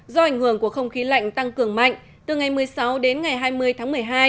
do ảnh hưởng của không khí lạnh tăng cường mạnh từ ngày một mươi sáu đến ngày hai mươi tháng một mươi hai